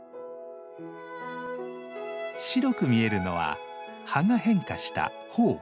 白く見えるのは葉が変化した苞。